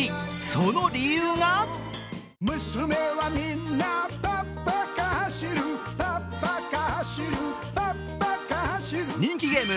その理由が人気ゲーム